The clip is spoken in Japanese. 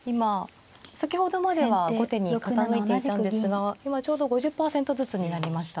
先ほどまでは後手に傾いていたんですが今ちょうど５０％ずつになりました。